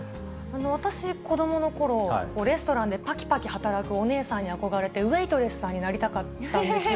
私、子どものころ、レストランでぱきぱき働くお姉さんに憧れて、ウエイトレスさんになりたかったんですよ。